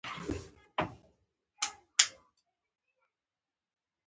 د نړۍ تر ټولو اوږده غرني سلسله الپس ده.